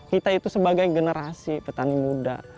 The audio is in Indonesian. kita itu sebagai generasi petani muda